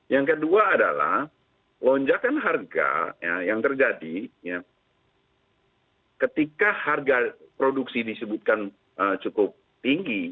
yang kedua adalah lonjakan harga yang terjadi ketika harga produksi disebutkan cukup tinggi